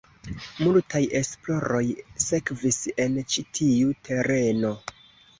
Multaj esploroj sekvis en ĉi tiu tereno.